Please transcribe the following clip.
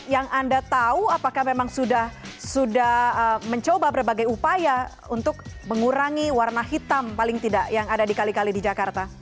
yang anda tahu apakah memang sudah mencoba berbagai upaya untuk mengurangi warna hitam paling tidak yang ada di kali kali di jakarta